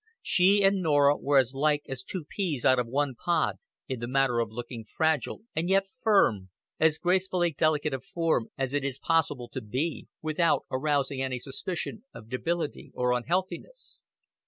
She and Norah were as like as two peas out of one pod in the matter of looking fragile and yet firm, as gracefully delicate of form as it is possible to be without arousing any suspicion of debility or unhealthiness.